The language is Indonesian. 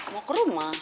mau ke rumah